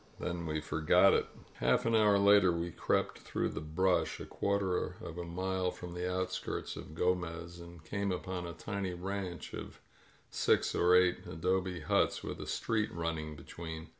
Then we forgot it. ••• Half an hour later we crept through the brush a quarter of a mile from the outskirts of Gomez and came upon a tiny ranch of six or eight adobe huts, with a street running between.